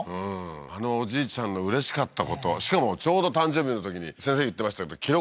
うんあのおじいちゃんのうれしかったことしかもちょうど誕生日のときに先生言ってましたけど